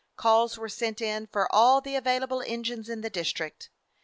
Calls were sent in for all the available engines in the district.